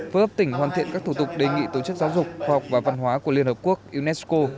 phối hợp tỉnh hoàn thiện các thủ tục đề nghị tổ chức giáo dục khoa học và văn hóa của liên hợp quốc unesco